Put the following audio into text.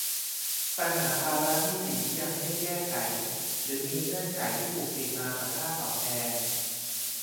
ปัญหาภาระหนี้สินที่ยังไม่ได้แก้ไขหรือมีเงื่อนไขที่ผูกติดมากับค่าตอบแทน